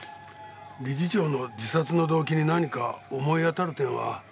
理事長の自殺の動機に何か思い当たる点は？